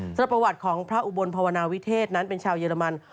สำหรับประวัติของพระอุบลภาวนาวิเทศนั้นเป็นชาวเยอรมัน